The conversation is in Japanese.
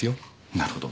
なるほど。